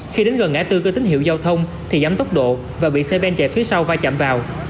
khi đến gần ngã tư cơ tín hiệu giao thông thì giấm tốc độ và bị xe bên chạy phía sau vai chạm vào